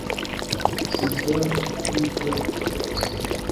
Sinshobora kuva hano uko biri kose